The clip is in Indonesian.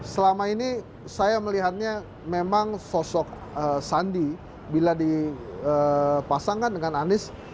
selama ini saya melihatnya memang sosok sandi bila dipasangkan dengan anies